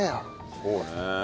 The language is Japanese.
そうね。